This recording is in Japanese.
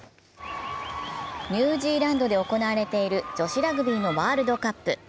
ニュージーランドで行われている女子ラグビーのワールドカップ。